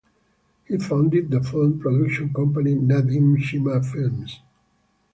He founded the film production company "Nadeem Cheema Films".